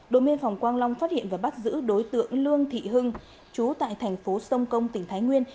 đồn biên phòng quang long phát hiện và bắt giữ đối tượng lương thị hưng chú tại thành phố sông công tỉnh thái nguyên